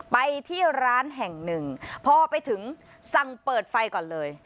ไปที่ร้านแห่งหนึ่งพอไปถึงสั่งเปิดไฟก่อนเลย